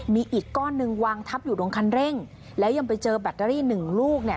มีอีกก้อนหนึ่งวางทับอยู่ตรงคันเร่งแล้วยังไปเจอแบตเตอรี่หนึ่งลูกเนี่ย